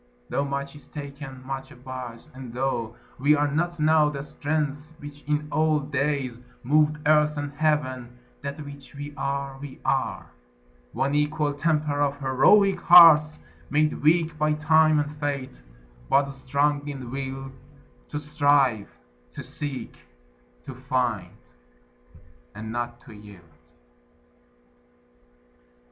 Tho' much is taken, much abides; and tho' We are not now that strength which in old days Moved earth and heaven, that which we are, we are; One equal temper of heroic hearts, Made weak by time and fate, but strong in will To strive, to seek, to find, and not to yield.